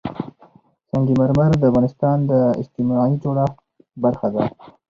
سنگ مرمر د افغانستان د اجتماعي جوړښت برخه ده.